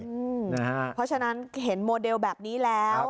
เพราะฉะนั้นเห็นโมเดลแบบนี้แล้ว